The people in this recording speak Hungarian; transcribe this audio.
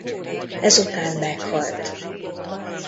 Ezután meghalt.